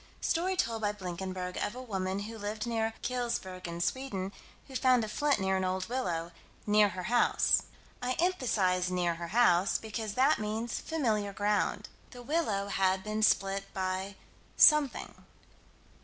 Story told by Blinkenberg, of a woman, who lived near Kulsbjaergene, Sweden, who found a flint near an old willow "near her house." I emphasize "near her house" because that means familiar ground. The willow had been split by something.